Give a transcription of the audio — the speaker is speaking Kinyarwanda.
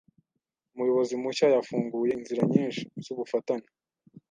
Umuyobozi mushya yafunguye inzira nyinshi zubufatanye.